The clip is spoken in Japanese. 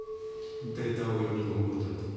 データを読み込むことができる。